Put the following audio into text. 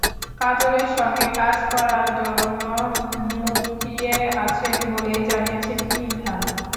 কাজলের সঙ্গে কাজ করার জন্য মুখিয়ে আছেন বলেই জানিয়েছেন কিং খান।